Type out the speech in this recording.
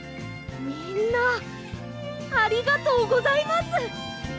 みんなありがとうございます！